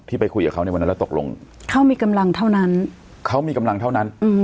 ไปคุยกับเขาในวันนั้นแล้วตกลงเขามีกำลังเท่านั้นเขามีกำลังเท่านั้น